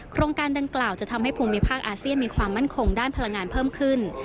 โครงการดังกล่าวจะทำให้ภูมิภาคอาเซียนมีความมั่นคงด้านพลังงานเพิ่มขึ้น